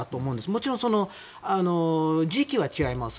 もちろん、時期は違います。